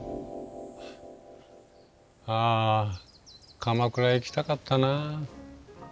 ああ鎌倉行きたかったなぁ。